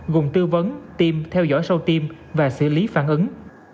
gồm tư vấn tim theo dõi sau tiêm và xử lý phản ứng